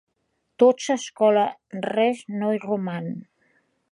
Tot s'escola, res no hi roman.